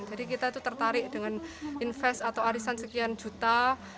jadi kita tertarik dengan investasi atau arisan sekian juta